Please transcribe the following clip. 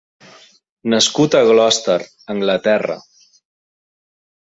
Nascut a Gloucester, Anglaterra.